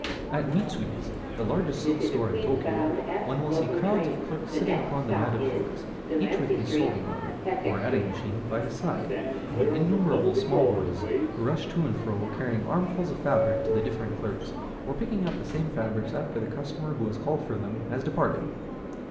At Mitsui's, the largest silk store in Tōkyō, one will see crowds of clerks sitting upon the matted floors, each with his soroban, or adding machine, by his side; and innumerable small boys, who rush to and fro, carrying armfuls of fabrics to the different clerks, or picking up the same fabrics after the customer who has called for them has departed.